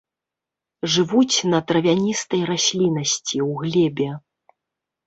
Жывуць на травяністай расліннасці, у глебе.